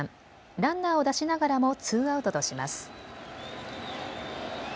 ランナーを出しながらもツーアウトとします。